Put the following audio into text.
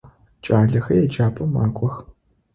Кӏалэхэр еджапӏэм макӏох.